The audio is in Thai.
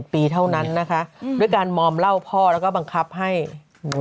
ปีเท่านั้นนะคะด้วยการมอมเหล้าพ่อแล้วก็บังคับให้หนู